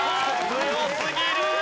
強すぎる！